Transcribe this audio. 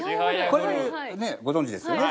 これねご存じですよね？